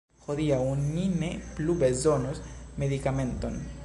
Hodiaŭ ni ne plu bezonos medikamenton!